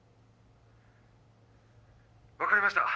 分かりました。